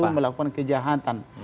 yaitu melakukan kejahatan